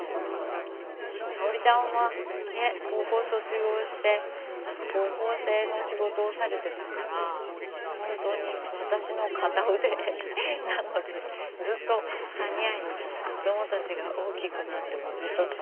さおりちゃんはね高校卒業して縫製の仕事をされてたから本当に私の片腕なのでずっと谷相に子どもたちが大きくなってもずっとずっといてほしいな。